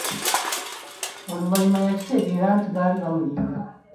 Oluvannyuma yakitegeera nti baali bamulimba.